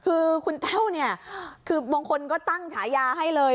คือคุณแต้วเนี่ยคือบางคนก็ตั้งฉายาให้เลย